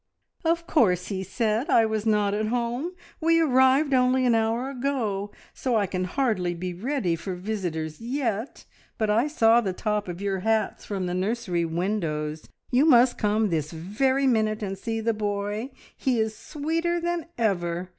"Of course he said I was not at home! We arrived only an hour ago, so I can hardly be ready for visitors yet, but I saw the top of your hats from the nursery windows. You must come this very minute and see the boy. He is sweeter than ever.